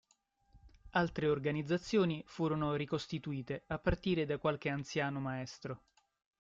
Altre organizzazioni furono ricostituite a partire da qualche anziano maestro.